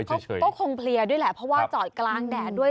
เขาก็คงเพลียด้วยแหละเพราะว่าจอดกลางแดดด้วย